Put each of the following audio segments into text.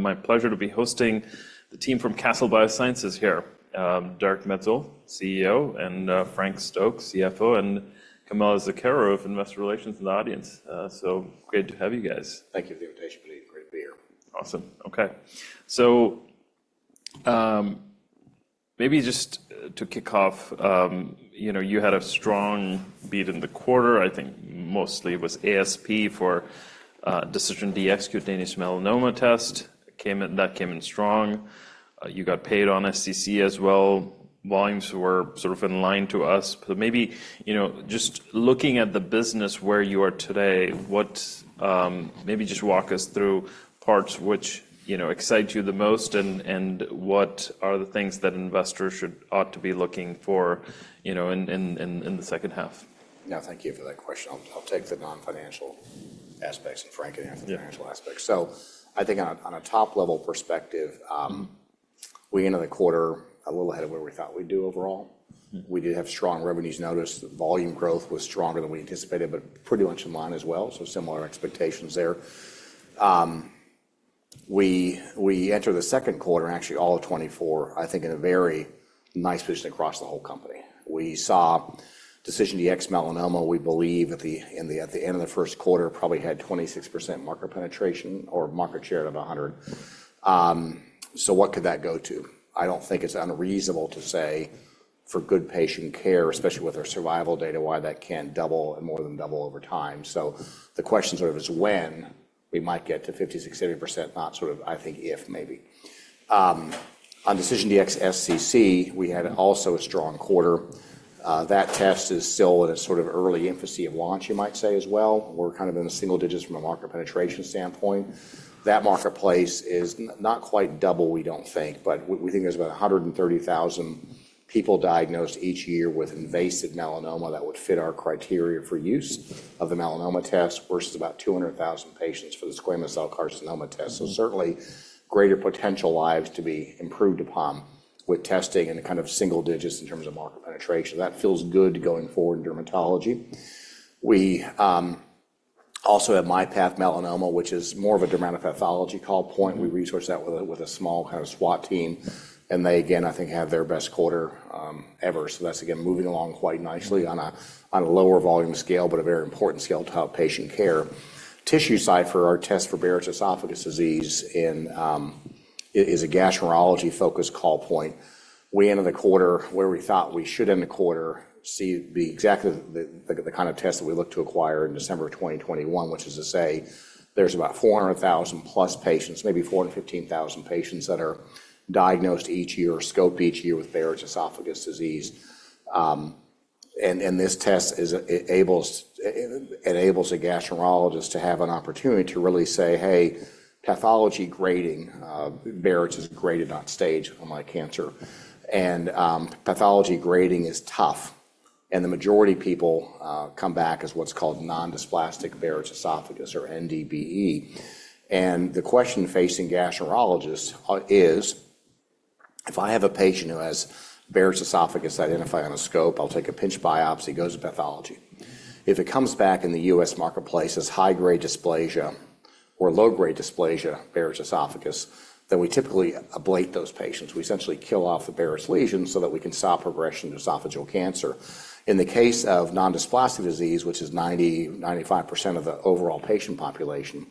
My pleasure to be hosting the team from Castle Biosciences here. Derek Maetzold, CEO, and Frank Stokes, CFO, and Camilla Zuckero, of Investor Relations in the audience. So great to have you guys. Thank you for the invitation, Puneet. Great to be here. Awesome. Okay. So, maybe just to kick off, you know, you had a strong beat in the quarter. I think mostly it was ASP for DecisionDx, cutaneous melanoma test, came in - that came in strong. You got paid on SCC as well. Volumes were sort of in line to us. But maybe, you know, just looking at the business where you are today, what... Maybe just walk us through parts which, you know, excite you the most, and, and what are the things that investors should - ought to be looking for, you know, in, in, in, in the second half? Yeah, thank you for that question. I'll, I'll take the non-financial aspects, and Frank can have the financial aspects. Yeah. So I think on a top-level perspective, we ended the quarter a little ahead of where we thought we'd do overall. Mm-hmm. We did have strong revenues. Notice the volume growth was stronger than we anticipated, but pretty much in line as well, so similar expectations there. We entered the second quarter, actually, all of 2024, I think in a very nice position across the whole company. We saw DecisionDx-Melanoma, we believe at the end of the first quarter, probably had 26% market penetration or market share out of 100. So what could that go to? I don't think it's unreasonable to say, for good patient care, especially with our survival data, why that can't double and more than double over time. So the question sort of is when we might get to 50%, 60%, 80%, not sort of, I think, if, maybe. On DecisionDx-SCC, we had also a strong quarter. That test is still in a sort of early infancy of launch, you might say, as well. We're kind of in the single digits from a market penetration standpoint. That marketplace is not quite double, we don't think, but we think there's about 130,000 people diagnosed each year with invasive melanoma that would fit our criteria for use of the melanoma test, versus about 200,000 patients for the squamous cell carcinoma test. Mm-hmm. So certainly, greater potential lives to be improved upon with testing in the kind of single digits in terms of market penetration. That feels good going forward in dermatology. We also have MyPath Melanoma, which is more of a dermatopathology call point. We resource that with a small kind of SWAT team, and they, again, I think, have their best quarter ever. So that's again, moving along quite nicely on a lower volume scale, but a very important scale to help patient care. TissueCypher, our test for Barrett's esophagus disease, is a gastroenterology-focused call point. We ended the quarter where we thought we should end the quarter, see the exact kind of test that we looked to acquire in December 2021, which is to say there's about 400,000 plus patients, maybe 415,000 patients, that are diagnosed each year or scoped each year with Barrett's esophagus disease. And this test enables a gastroenterologist to have an opportunity to really say, "Hey, pathology grading," Barrett's is graded, not staged, unlike cancer, and pathology grading is tough, and the majority of people come back as what's called nondysplastic Barrett's esophagus, or NDBE. And the question facing gastroenterologists is, if I have a patient who has Barrett's esophagus identified on a scope, I'll take a pinch biopsy, it goes to pathology. If it comes back in the U.S. marketplace as high-grade dysplasia or low-grade dysplasia, Barrett's esophagus, then we typically ablate those patients. We essentially kill off the Barrett's lesions so that we can stop progression to esophageal cancer. In the case of nondysplastic disease, which is 90%-95% of the overall patient population,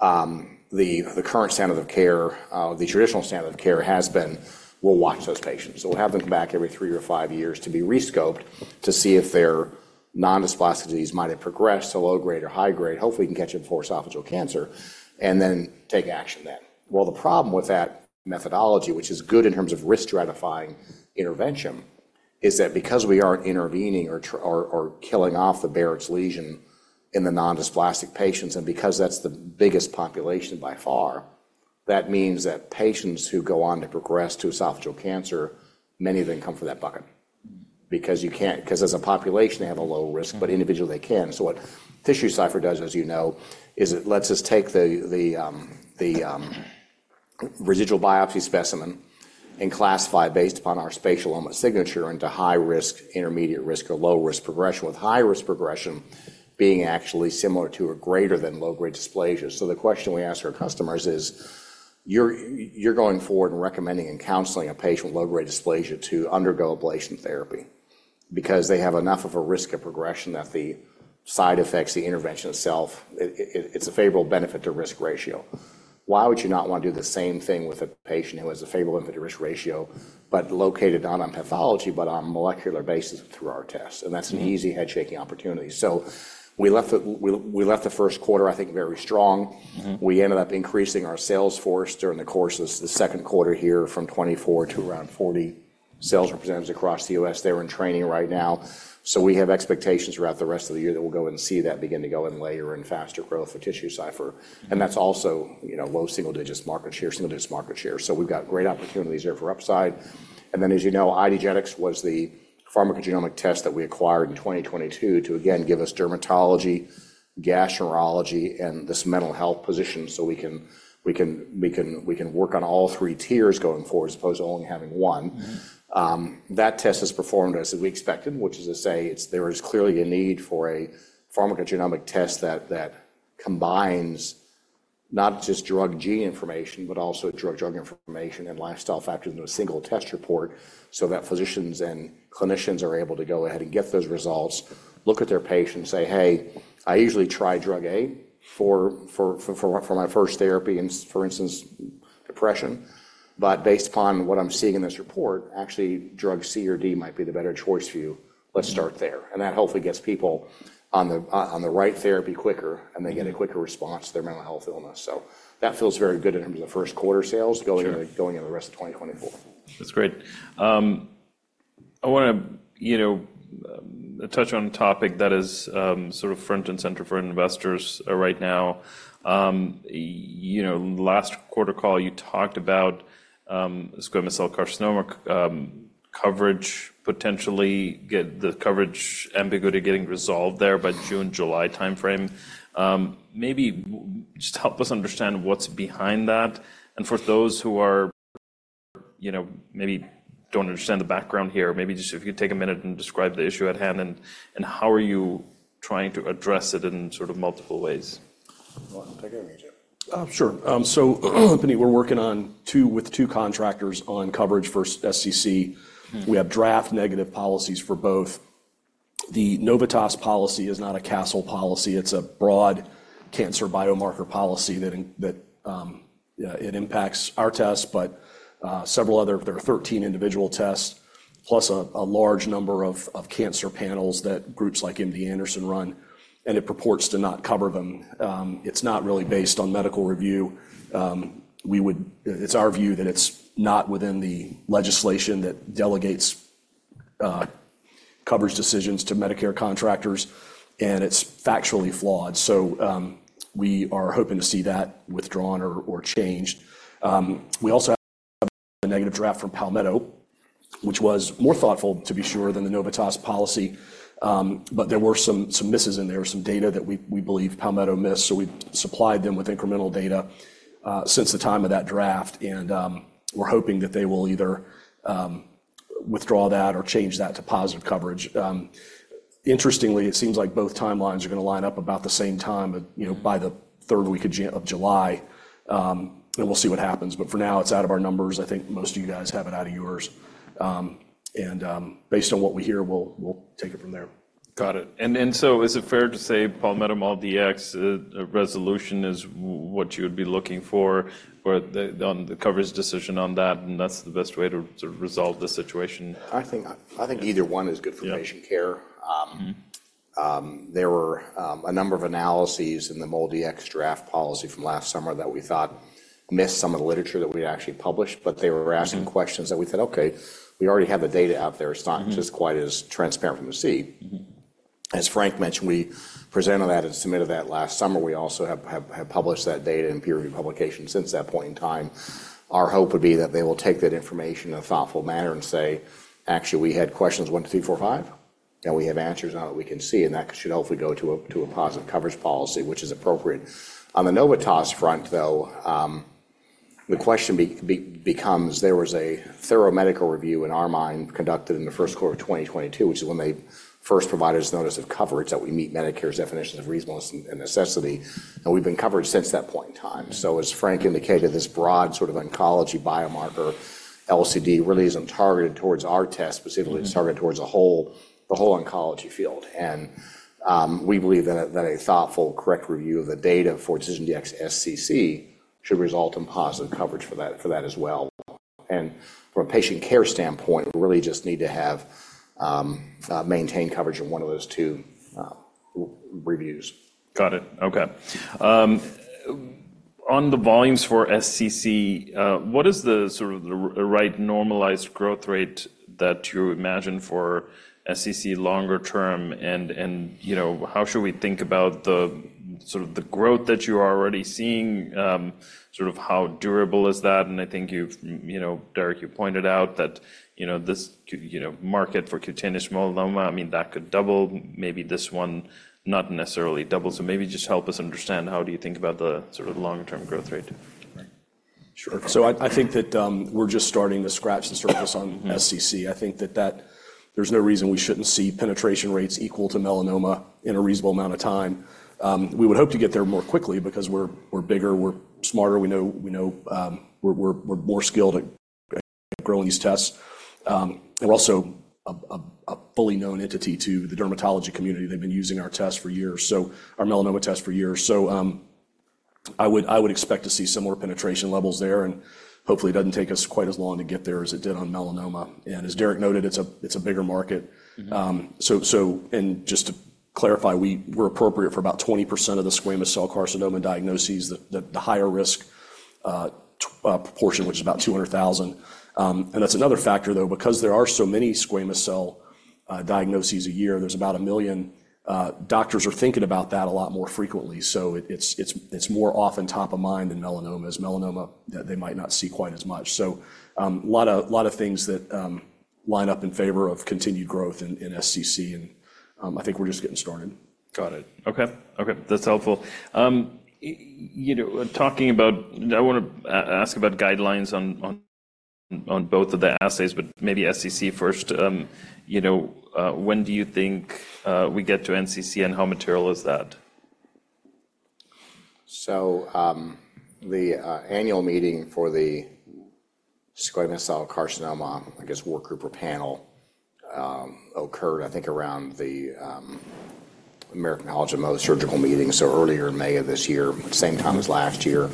the current standard of care, the traditional standard of care has been, we'll watch those patients. So we'll have them come back every 3-5 years to be re-scoped, to see if their nondysplastic disease might have progressed to low-grade or high-grade. Hopefully, we can catch it before esophageal cancer, and then take action then. Well, the problem with that methodology, which is good in terms of risk stratifying intervention, is that because we aren't intervening or killing off the Barrett's lesion in the nondysplastic patients, and because that's the biggest population by far, that means that patients who go on to progress to esophageal cancer, many of them come from that bucket. Because you can't 'cause as a population, they have a low risk, but individually, they can. So what TissueCypher does, as you know, is it lets us take the residual biopsy specimen and classify based upon our spatial omics signature into high-risk, intermediate-risk, or low-risk progression, with high-risk progression being actually similar to or greater than low-grade dysplasia. So the question we ask our customers is: You're going forward and recommending and counseling a patient with low-grade dysplasia to undergo ablation therapy because they have enough of a risk of progression that the side effects, the intervention itself, it's a favorable benefit-to-risk ratio. Why would you not want to do the same thing with a patient who has a favorable benefit-to-risk ratio, but located not on pathology, but on a molecular basis through our test? Mm-hmm. That's an easy head-shaking opportunity. We left the first quarter, I think, very strong. Mm-hmm. We ended up increasing our sales force during the course of the second quarter here from 24 to around 40 sales representatives across the U.S. They're in training right now. So we have expectations throughout the rest of the year that we'll go and see that begin to go in layer and faster growth for TissueCypher. Mm-hmm. And that's also, you know, low single digits market share, single digits market share. So we've got great opportunities there for upside. And then, as you know, IDgenetix was the pharmacogenomic test that we acquired in 2022 to again, give us dermatology, gastroenterology, and this mental health position, so we can, we can, we can, we can work on all three tiers going forward, as opposed to only having one. Mm-hmm. That test has performed as we expected, which is to say, it's—there is clearly a need for a pharmacogenomic test that combines not just drug-gene information, but also drug-drug information and lifestyle factors in a single test report, so that physicians and clinicians are able to go ahead and get those results, look at their patient and say, "Hey, I usually try drug A for my first therapy, for instance, depression. But based upon what I'm seeing in this report, actually, drug C or D might be the better choice for you. Let's start there. Mm-hmm. That hopefully gets people on the right therapy quicker, and they get a quicker response to their mental health illness. That feels very good in terms of first quarter sales- Sure. going into the rest of 2024. That's great. I want to, you know, touch on a topic that is, sort of front and center for investors, right now. You know, last quarter call you talked about, squamous cell carcinoma, coverage, potentially get the coverage ambiguity getting resolved there by June, July timeframe. Maybe just help us understand what's behind that, and for those who are, you know, maybe don't understand the background here, maybe just if you could take a minute and describe the issue at hand, and how are you trying to address it in sort of multiple ways? You want to take it or me? Sure. So, we're working on two with two contractors on coverage for SCC. Mm. We have draft negative policies for both. The Novitas policy is not a Castle policy. It's a broad cancer biomarker policy that it impacts our tests, but several other... There are 13 individual tests, plus a large number of cancer panels that groups like MD Anderson run, and it purports to not cover them. It's not really based on medical review. It's our view that it's not within the legislation that delegates coverage decisions to Medicare contractors, and it's factually flawed. So, we are hoping to see that withdrawn or changed. We also have a negative draft from Palmetto, which was more thoughtful, to be sure, than the Novitas policy. But there were some misses in there, some data that we believe Palmetto missed, so we supplied them with incremental data since the time of that draft. And we're hoping that they will either withdraw that or change that to positive coverage. Interestingly, it seems like both timelines are going to line up about the same time, you know, by the third week of July. And we'll see what happens, but for now, it's out of our numbers. I think most of you guys have it out of yours. And based on what we hear, we'll take it from there. Got it. And so is it fair to say Palmetto MolDX, a resolution is what you'd be looking for, for the, on the coverage decision on that, and that's the best way to resolve the situation? I think either one is good for patient care. Yeah. Mm-hmm. There were a number of analyses in the MolDX draft policy from last summer that we thought missed some of the literature that we had actually published- Mm-hmm. But they were asking questions that we thought, "Okay, we already have the data out there. Mm-hmm. It's not just quite as transparent as you can see. Mm-hmm. As Frank mentioned, we presented that and submitted that last summer. We also have published that data in peer review publication since that point in time. Our hope would be that they will take that information in a thoughtful manner and say: "Actually, we had questions one, two, three, four, five, and we have answers now that we can see," and that should hopefully go to a positive coverage policy, which is appropriate. On the Novitas front, though, the question becomes there was a thorough medical review, in our mind, conducted in the first quarter of 2022, which is when they first provided us notice of coverage, that we meet Medicare's definitions of reasonableness and necessity, and we've been covered since that point in time. Mm-hmm. As Frank indicated, this broad sort of oncology biomarker LCD really isn't targeted towards our test specifically- Mm-hmm -it's targeted towards the whole, the whole oncology field. And, we believe that a, that a thoughtful, correct review of the data for DecisionDx-SCC should result in positive coverage for that, for that as well. And from a patient care standpoint, we really just need to have, maintained coverage in one of those two reviews. Got it. Okay. On the volumes for SCC, what is the sort of the right normalized growth rate that you imagine for SCC longer term? And, you know, how should we think about the sort of the growth that you are already seeing? Sort of how durable is that? And I think you've you know, Derek, you pointed out that, you know, this, you know, market for cutaneous melanoma, I mean, that could double, maybe this one not necessarily double. So maybe just help us understand how do you think about the sort of long-term growth rate? Sure. So I think that, we're just starting to scratch the surface on- Mm-hmm -SCC. I think that there's no reason we shouldn't see penetration rates equal to melanoma in a reasonable amount of time. We would hope to get there more quickly because we're bigger, we're smarter, we know, we're more skilled at growing these tests. And we're also a fully known entity to the dermatology community. They've been using our test for years, so our melanoma test for years. So, I would expect to see similar penetration levels there, and hopefully, it doesn't take us quite as long to get there as it did on melanoma. And as Derek noted, it's a bigger market. Mm-hmm. And just to clarify, we're appropriate for about 20% of the squamous cell carcinoma diagnoses, the higher risk proportion, which is about 200,000. And that's another factor, though, because there are so many squamous cell diagnoses a year, there's about 1,000,000, doctors are thinking about that a lot more frequently. So it's more often top of mind than melanoma, as melanoma, they might not see quite as much. So, a lot of things that line up in favor of continued growth in SCC, and I think we're just getting started. Got it. Okay. Okay, that's helpful. You know, talking about... I want to ask about guidelines on... on both of the assays, but maybe SCC first. You know, when do you think we get to NCCN? How material is that? So, the annual meeting for the squamous cell carcinoma, I guess, workgroup or panel, occurred, I think, around the American College of Surgeons, so earlier in May of this year, same time as last year.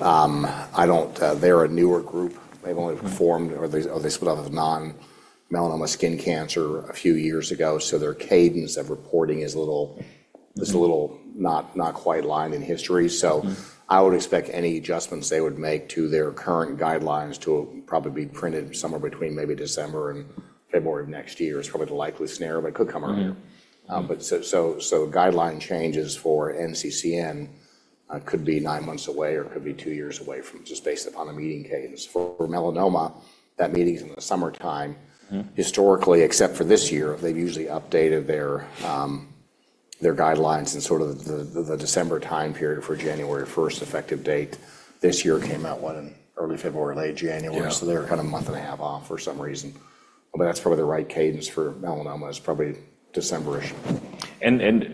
I don't, they're a newer group. They've only- Mm-hmm... formed, or they split off of non-melanoma skin cancer a few years ago, so their cadence of reporting is a little not quite lined in history. Mm-hmm. So I would expect any adjustments they would make to their current guidelines to probably be printed somewhere between maybe December and February of next year is probably the likeliest scenario, but it could come earlier. Mm-hmm. Guideline changes for NCCN could be nine months away or could be two years away, just based upon the meeting cadence. For melanoma, that meeting's in the summertime. Mm-hmm. Historically, except for this year, they've usually updated their guidelines in sort of the December time period for January first effective date. This year came out, what, in early February, late January. Yeah. So they're kind of a month and a half off for some reason, but that's probably the right cadence for melanoma. It's probably December-ish.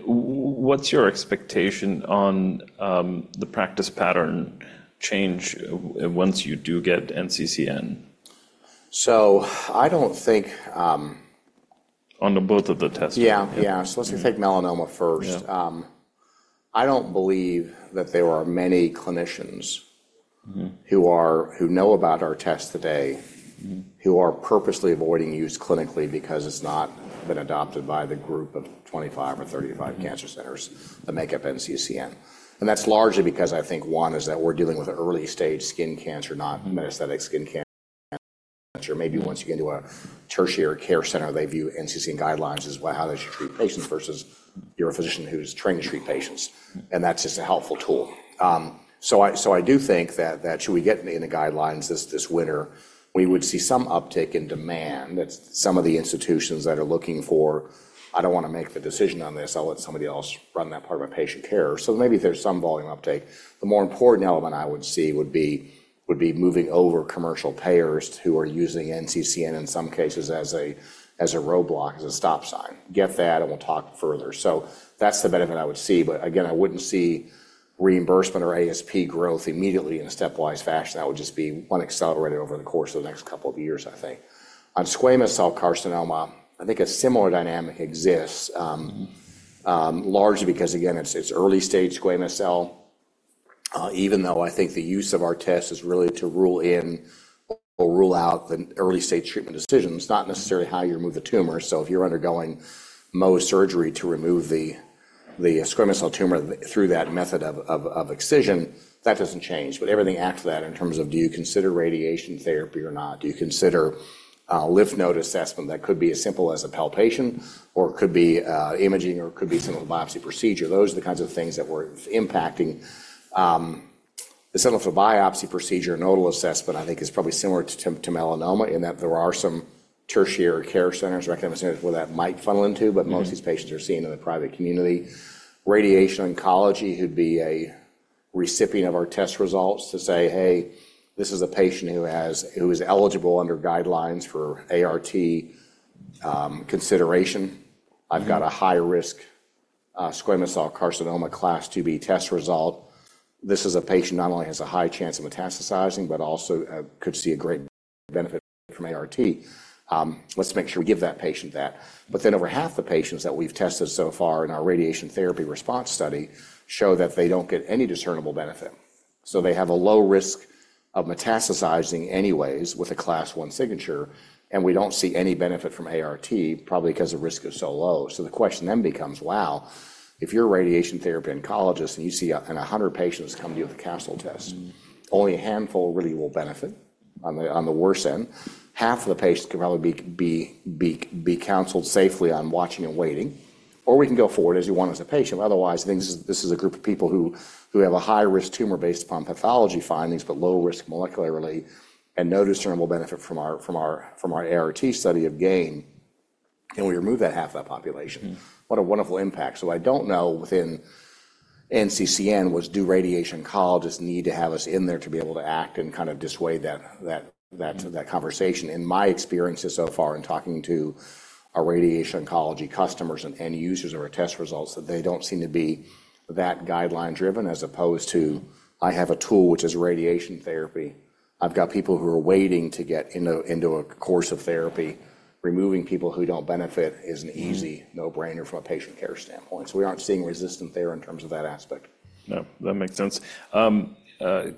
What's your expectation on the practice pattern change once you do get NCCN? So I don't think. On both of the tests. Yeah. Yeah. Yeah. Let's take melanoma first. Yeah. I don't believe that there are many clinicians- Mm-hmm... who know about our test today- Mm-hmm -who are purposely avoiding use clinically because it's not been adopted by the group of 25 or 35- Mm-hmm cancer centers that make up NCCN. And that's largely because I think, one, is that we're dealing with an early-stage skin cancer, not- Mm-hmm metastatic skin cancer. Maybe once you get to a tertiary care center, they view NCCN guidelines as well, how they should treat patients, versus you're a physician who's trained to treat patients. Mm-hmm And that's just a helpful tool. So I do think that should we get in the guidelines this winter, we would see some uptick in demand. That's some of the institutions that are looking for, "I don't want to make the decision on this. I'll let somebody else run that part of my patient care." So maybe there's some volume uptake. The more important element I would see would be moving over commercial payers who are using NCCN in some cases as a roadblock, as a stop sign. Get that, and we'll talk further. So that's the benefit I would see, but again, I wouldn't see reimbursement or ASP growth immediately in a stepwise fashion. That would just be one accelerator over the course of the next couple of years, I think. On squamous cell carcinoma, I think a similar dynamic exists. Mm-hmm... largely because, again, it's early-stage squamous cell. Even though I think the use of our test is really to rule in or rule out the early-stage treatment decisions, not necessarily how you remove the tumor. So if you're undergoing Mohs surgery to remove the squamous cell tumor through that method of excision, that doesn't change. But everything after that in terms of do you consider radiation therapy or not? Do you consider lymph node assessment? That could be as simple as a palpation, or it could be imaging, or it could be simple biopsy procedure. Those are the kinds of things that we're impacting. The sample for biopsy procedure, nodal assessment, I think is probably similar to melanoma in that there are some tertiary care centers, academic centers, where that might funnel into- Mm-hmm But most of these patients are seen in the private community. Radiation oncology, who'd be a recipient of our test results, to say, "Hey, this is a patient who is eligible under guidelines for ART consideration. Mm-hmm. I've got a high-risk squamous cell carcinoma, Class 2B test result. This is a patient, not only has a high chance of metastasizing, but also could see a great benefit from ART. Let's make sure we give that patient that." But then over half the patients that we've tested so far in our radiation therapy response study show that they don't get any discernible benefit. So they have a low risk of metastasizing anyways with a Class 1 signature, and we don't see any benefit from ART, probably because the risk is so low. So the question then becomes, wow, if you're a radiation therapy oncologist, and you see 100 patients come to you with a Castle test- Mm-hmm... only a handful really will benefit on the worse end. Half of the patients can probably be counseled safely on watching and waiting, or we can go forward as you want as a patient. But otherwise, this is a group of people who have a high-risk tumor based upon pathology findings, but low risk molecularly, and no discernible benefit from our ART study of gain, and we remove that half of that population. Mm-hmm. What a wonderful impact. So I don't know, within NCCN, what do radiation oncologists need to have us in there to be able to act and kind of dissuade that conversation? In my experiences so far in talking to our radiation oncology customers and end users of our test results, that they don't seem to be that guideline-driven, as opposed to, I have a tool, which is radiation therapy. I've got people who are waiting to get into a course of therapy. Removing people who don't benefit is an easy- Mm-hmm No-brainer from a patient care standpoint. So we aren't seeing resistance there in terms of that aspect. No, that makes sense.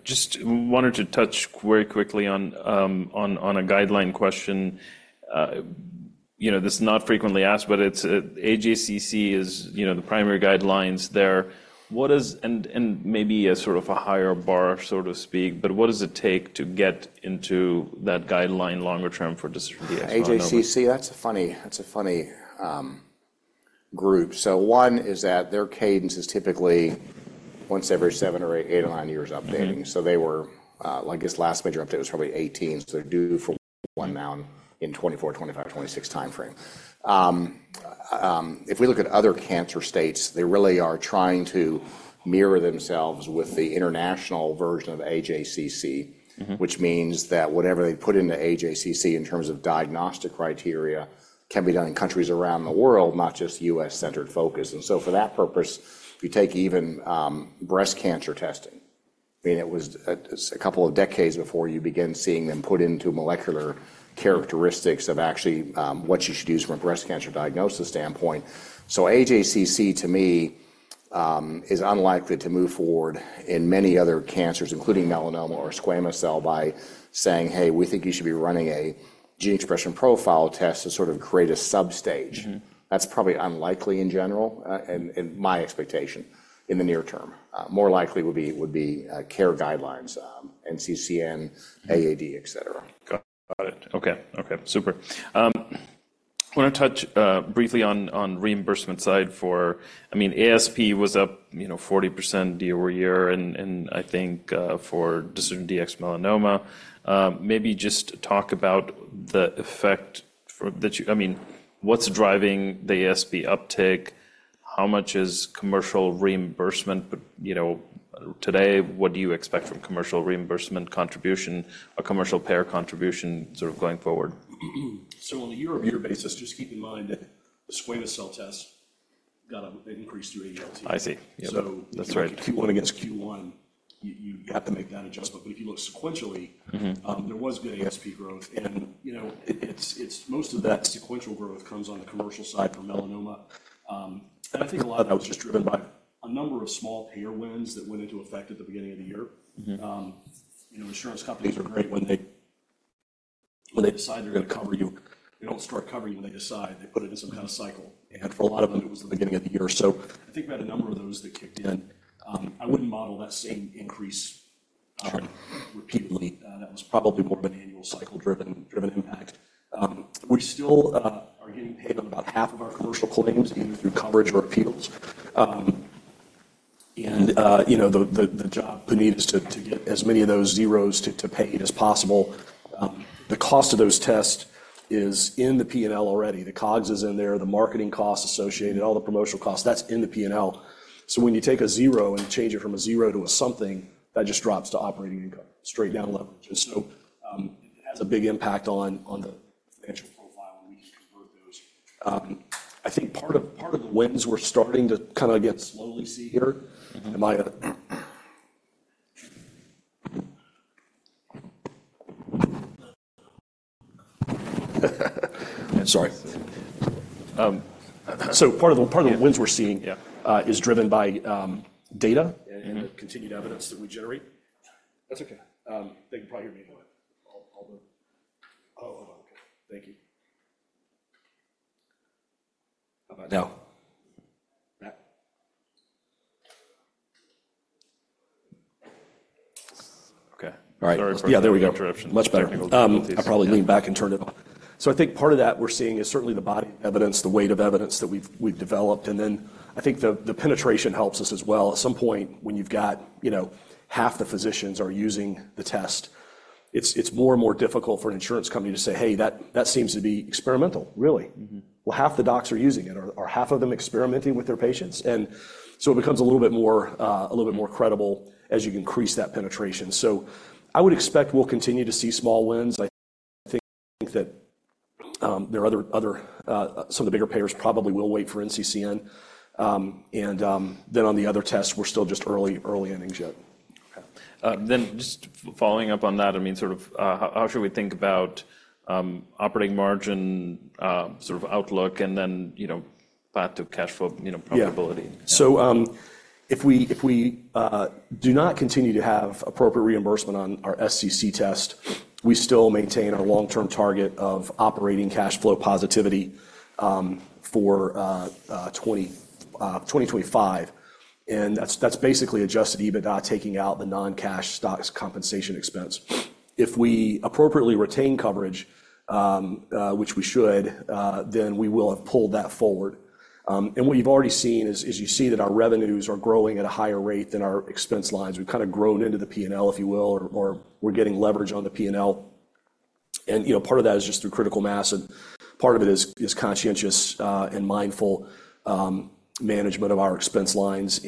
Just wanted to touch very quickly on a guideline question. You know, this is not frequently asked, but it's AJCC is, you know, the primary guidelines there. What is... And maybe a sort of a higher bar, so to speak, but what does it take to get into that guideline longer term for distribution? AJCC, that's a funny group. So one is that their cadence is typically once every seven or eight or nine years updating. Mm-hmm. So they were, like, this last major update was probably 2018, so they're due for one now in 2024, 2025, 2026 timeframe.... If we look at other cancer stages, they really are trying to mirror themselves with the international version of AJCC. Mm-hmm. Which means that whatever they put into AJCC in terms of diagnostic criteria, can be done in countries around the world, not just US-centered focus. And so for that purpose, if you take even breast cancer testing, I mean, it was a couple of decades before you begin seeing them put into molecular characteristics of actually what you should use from a breast cancer diagnosis standpoint. So AJCC, to me, is unlikely to move forward in many other cancers, including melanoma or squamous cell, by saying, "Hey, we think you should be running a gene expression profile test to sort of create a substage. Mm-hmm. That's probably unlikely in general, and my expectation in the near term. More likely would be care guidelines, NCCN, AAD, et cetera. Got it. Okay. Okay, super. I want to touch briefly on reimbursement side for... I mean, ASP was up, you know, 40% year over year, and I think for DecisionDx-Melanoma. Maybe just talk about the effect that you—I mean, what's driving the ASP uptick? How much is commercial reimbursement? But, you know, today, what do you expect from commercial reimbursement contribution or commercial payer contribution sort of going forward? So on a year-over-year basis, just keep in mind that the squamous cell test got an increase through ADLT. I see. So- That's right. Q1 against Q1, you have to make that adjustment. But if you look sequentially- Mm-hmm. There was good ASP growth, and, you know, it's most of that sequential growth comes on the commercial side for melanoma. And I think a lot of that was just driven by a number of small payer wins that went into effect at the beginning of the year. Mm-hmm. You know, insurance companies are great when they decide they're going to cover you. They don't start covering you when they decide. They put it in some kind of cycle, and for a lot of them, it was the beginning of the year. So I think we had a number of those that kicked in. I wouldn't model that same increase repeatedly. That was probably more of an annual cycle-driven impact. We still are getting paid on about half of our commercial claims, either through coverage or appeals. And, you know, the job, the need is to get as many of those zeros to paid as possible. The cost of those tests is in the P&L already. The COGS is in there, the marketing costs associated, all the promotional costs, that's in the P&L. So when you take a zero and change it from a zero to a something, that just drops to operating income, straight down leverage. And so, it has a big impact on the financial profile when we convert those. I think part of the wins we're starting to kind of get slowly see here. So part of the wins we're seeing- Yeah. is driven by, data- Mm-hmm. -and the continued evidence that we generate. That's okay. They can probably hear me now. I'll move. Oh, hold on. Thank you. How about now? Now. Back? Okay. All right. Sorry for the interruption. Yeah, there we go. Much better. Technical difficulties. I'll probably lean back and turn it on. So I think part of that we're seeing is certainly the body of evidence, the weight of evidence that we've developed, and then I think the penetration helps us as well. At some point, when you've got, you know, half the physicians are using the test, it's more and more difficult for an insurance company to say, "Hey, that seems to be experimental, really. Mm-hmm. Well, half the docs are using it, or are half of them experimenting with their patients? And so it becomes a little bit more, a little bit more credible as you increase that penetration. So I would expect we'll continue to see small wins. I think that, there are other, other, some of the bigger payers probably will wait for NCCN. And then on the other tests, we're still just early, early innings yet. Okay. Then just following up on that, I mean, sort of, how should we think about operating margin, sort of outlook and then, you know, path to cash flow, you know, profitability? Yeah. So, if we do not continue to have appropriate reimbursement on our SCC test, we still maintain our long-term target of operating cash flow positivity, for 2025, and that's basically adjusted EBITDA, taking out the non-cash stock compensation expense. If we appropriately retain coverage, which we should, then we will have pulled that forward. And what you've already seen is you see that our revenues are growing at a higher rate than our expense lines. We've kind of grown into the P&L, if you will, or we're getting leverage on the P&L, and, you know, part of that is just through critical mass, and part of it is conscientious and mindful management of our expense lines.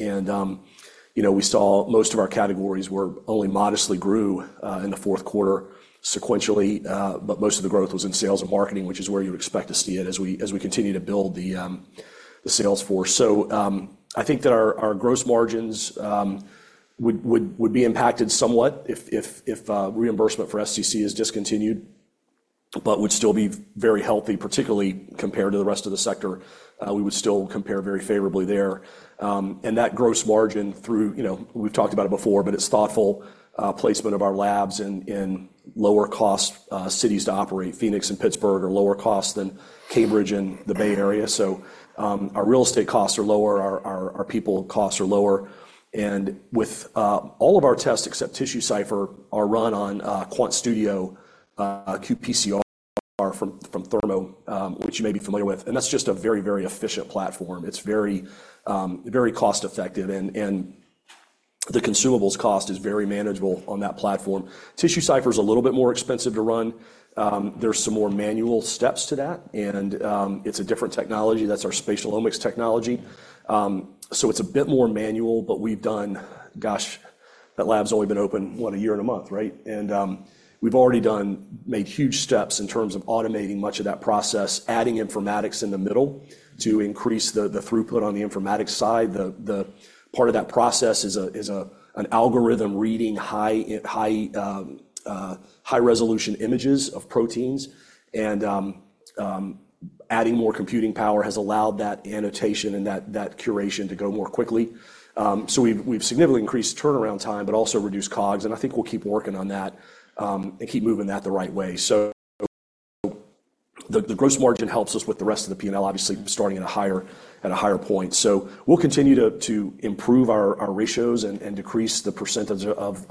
You know, we saw most of our categories were only modestly grew in the fourth quarter sequentially, but most of the growth was in sales and marketing, which is where you'd expect to see it as we continue to build the sales force. So, I think that our gross margins would be impacted somewhat if reimbursement for SCC is discontinued, but would still be very healthy, particularly compared to the rest of the sector. We would still compare very favorably there. And that gross margin through, you know, we've talked about it before, but it's thoughtful placement of our labs in lower-cost cities to operate. Phoenix and Pittsburgh are lower cost than Cambridge and the Bay Area. So, our real estate costs are lower, our people costs are lower, and with all of our tests, except TissueCypher, are run on QuantStudio qPCR from Thermo, which you may be familiar with, and that's just a very, very efficient platform. It's very very cost-effective and the consumables cost is very manageable on that platform. TissueCypher is a little bit more expensive to run. There's some more manual steps to that, and it's a different technology. That's our spatial omics technology. So it's a bit more manual, but we've done. Gosh, that lab's only been open, what? A year and a month, right? And we've already done, made huge steps in terms of automating much of that process, adding informatics in the middle to increase the throughput on the informatics side. The part of that process is an algorithm reading high-resolution images of proteins, and adding more computing power has allowed that annotation and that curation to go more quickly. So we've significantly increased turnaround time, but also reduced COGS, and I think we'll keep working on that, and keep moving that the right way. So the gross margin helps us with the rest of the P&L, obviously, starting at a higher point. So we'll continue to improve our ratios and decrease the percentage of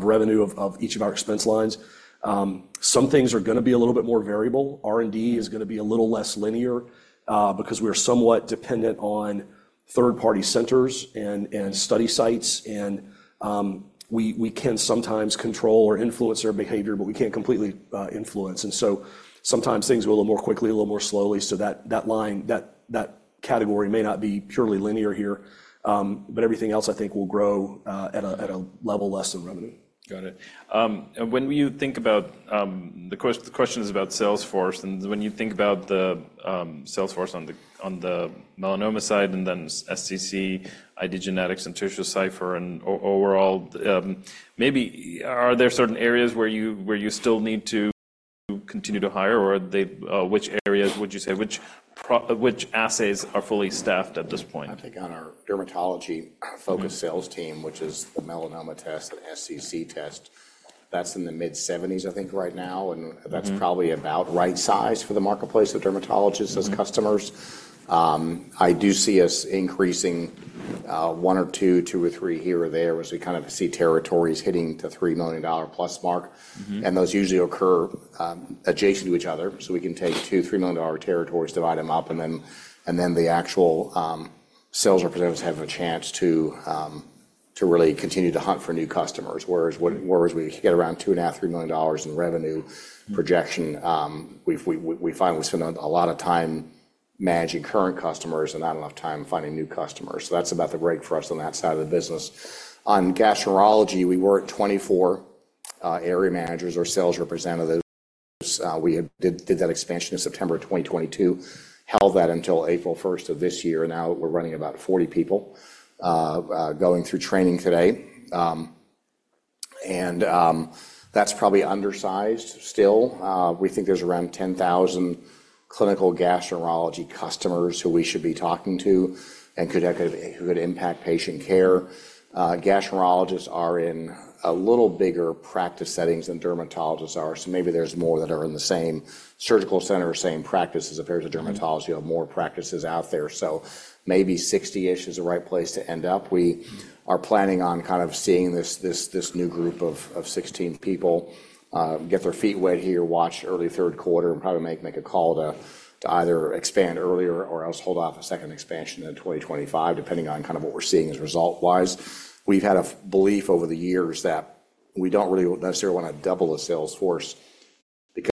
revenue of each of our expense lines. Some things are gonna be a little bit more variable. R&D is gonna be a little less linear, because we're somewhat dependent on third-party centers and study sites, and we can sometimes control or influence their behavior, but we can't completely influence. And so sometimes things go a little more quickly, a little more slowly, so that line, that category may not be purely linear here. But everything else, I think, will grow at a level less than revenue. Got it. And when you think about the question is about sales force, and when you think about the sales force on the melanoma side and then SCC, IDgenetix, and TissueCypher and overall, maybe are there certain areas where you still need to continue to hire, or are they, which areas would you say, which assays are fully staffed at this point? I think on our dermatology-focused- Mm-hmm... sales team, which is the melanoma test, the SCC test, that's in the mid-70s, I think, right now, and- Mm-hmm... that's probably about right size for the marketplace of dermatologists- Mm-hmm... as customers. I do see us increasing, 1 or 2, 2 or 3 here or there, as we kind of see territories hitting the $3 million-plus mark. Mm-hmm. Those usually occur adjacent to each other. So we can take $2 million-$3 million territories, divide them up, and then the actual sales representatives have a chance to really continue to hunt for new customers. Whereas we get around $2.5 million-$3 million in revenue projection, we finally spend a lot of time managing current customers and not enough time finding new customers. So that's about the break for us on that side of the business. On gastroenterology, we were at 24 area managers or sales representatives. We did that expansion in September of 2022, held that until April first of this year, and now we're running about 40 people going through training today. And that's probably undersized still. We think there's around 10,000 clinical gastroenterology customers who we should be talking to and could impact patient care. Gastroenterologists are in a little bigger practice settings than dermatologists are, so maybe there's more that are in the same surgical center or same practice. As opposed to- Mm-hmm... dermatology, have more practices out there. So maybe 60-ish is the right place to end up. We are planning on kind of seeing this new group of 16 people get their feet wet here, watch early third quarter, and probably make a call to either expand earlier or else hold off a second expansion into 2025, depending on kind of what we're seeing as result-wise. We've had a firm belief over the years that we don't really necessarily want to double the sales force because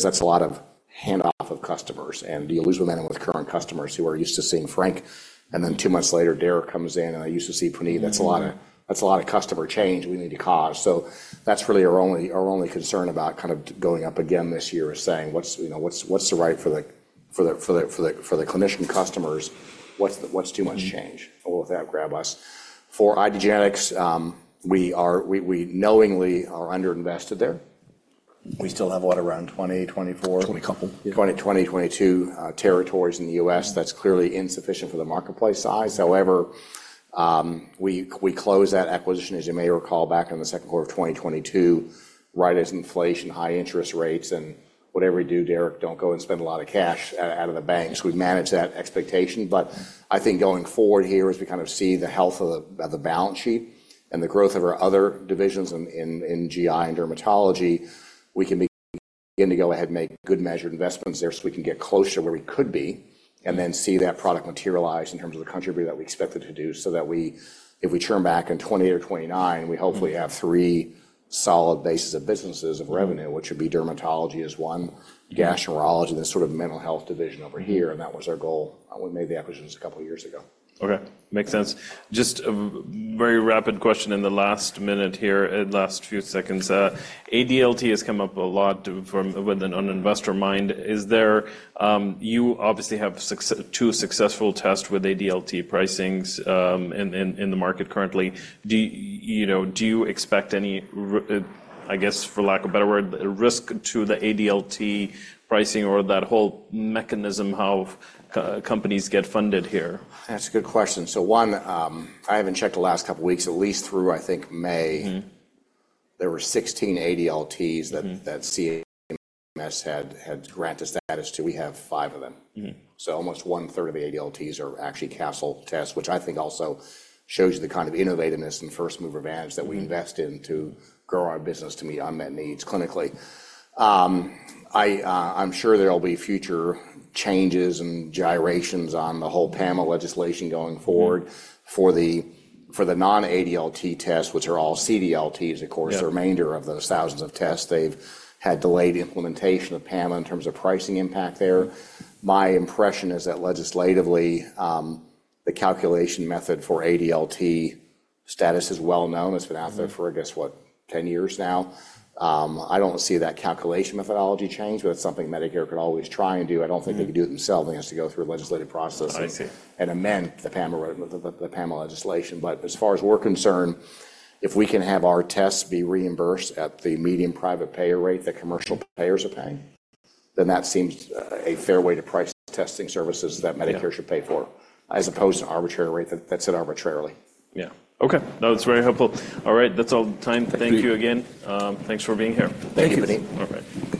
that's a lot of handoff of customers, and do you lose momentum with current customers who are used to seeing Frank, and then 2 months later, Derek comes in, and, "I used to see Puneet. Mm-hmm. That's a lot of customer change we need to cause. So that's really our only concern about kind of going up again this year is saying, you know, what's the right for the clinician customers? What's too much change? Mm-hmm. Well, that grabs us. For IDgenetix, we knowingly are underinvested there. We still have, what? Around 20, 24- 20 couple. 2022 territories in the U.S. Mm-hmm. That's clearly insufficient for the marketplace size. However, we closed that acquisition, as you may recall, back in the second quarter of 2022, right as inflation, high interest rates, and whatever you do, Derek, don't go and spend a lot of cash out of the banks. We've managed that expectation, but I think going forward here, as we kind of see the health of the balance sheet and the growth of our other divisions in GI and dermatology, we can begin to go ahead and make good measured investments there, so we can get closer to where we could be and then see that product materialize in terms of the contribution that we expect it to do, so that we if we turn back in 2028 or 2029- Mm-hmm... we hopefully have three solid bases of businesses of revenue, which would be dermatology as one, gastroenterology, and this sort of mental health division over here, and that was our goal when we made the acquisitions a couple years ago. Okay, makes sense. Just a very rapid question in the last minute here, last few seconds. ADLT has come up a lot from within an investor mind. Is there, you obviously have two successful tests with ADLT pricings, in the market currently. Do you, you know, do you expect any, I guess, for lack of a better word, risk to the ADLT pricing or that whole mechanism, how companies get funded here? That's a good question. So, one, I haven't checked the last couple weeks, at least through, I think, May. Mm-hmm. There were 16 ADLTs- Mm-hmm... that CMS had granted a status to. We have five of them. Mm-hmm. So almost one-third of the ADLTs are actually Castle tests, which I think also shows you the kind of innovativeness and first-mover advantage- Mm-hmm... that we invest in to grow our business to meet unmet needs clinically. I'm sure there will be future changes and gyrations on the whole PAMA legislation going forward- Mm... for the non-ADLT tests, which are all CDLTs, of course. Yeah. The remainder of those thousands of tests, they've had delayed implementation of PAMA in terms of pricing impact there. Mm. My impression is that legislatively, the calculation method for ADLT status is well known. Mm-hmm. It's been out there for, I guess, what? 10 years now. I don't see that calculation methodology change, but it's something Medicare could always try and do. Mm. I don't think they could do it themselves. It has to go through a legislative process- I see... and amend the PAMA legislation. But as far as we're concerned, if we can have our tests be reimbursed at the median private payer rate that commercial payers are paying, then that seems a fair way to price testing services- Yeah... that Medicare should pay for, as opposed to an arbitrary rate that, that's set arbitrarily. Yeah. Okay, no, it's very helpful. All right, that's all the time. Thank you. Thank you again. Thanks for being here. Thank you. Thank you, Puneet. All right.